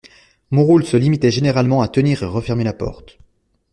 Mon rôle se limitait généralement à tenir et refermer la porte.